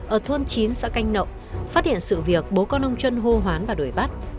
ở thôn chín xã canh nậu phát hiện sự việc bố con ông trân hô hoán và đuổi bắt